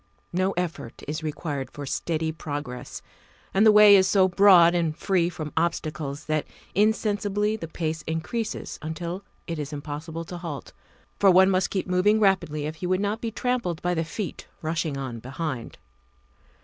No effort is required for steady progress, and the way is so broad and free from obstacles that insensibly the pace increases until it is impossible to halt, for one must keep moving rapidly if he would not be trampled by the feet rushing on behind.